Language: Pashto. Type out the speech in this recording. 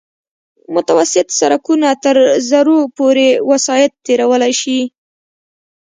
متوسط سرکونه تر زرو پورې وسایط تېرولی شي